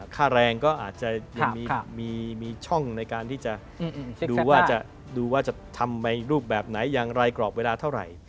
ค่าแรงก็อาจจะยังมีช่องในการที่จะดูว่าจะดูว่าจะทำในรูปแบบไหนอย่างไรกรอบเวลาเท่าไหร่